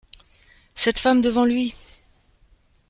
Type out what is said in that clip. Cette femme devant lui !